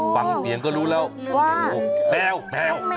ฟังเสียงก็รู้แล้วว่าแมว